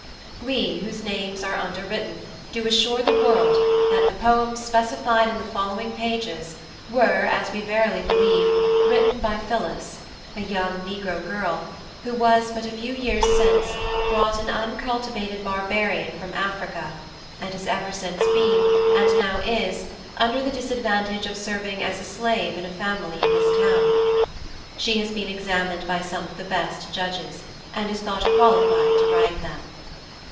WE whose Names are under written, do assure the World, that the POEMS specified in the following Page,* were (as we verily believe) written by Phillis, a young Negro Girl, who was but a few Years since, brought an uncultivated Barbarian from Africa, and has ever since been, and now is, under the Disadvantage of serving as a Slave in a Family in this Town. She has been examined by some of the best Judges, and is thought qualified to write them.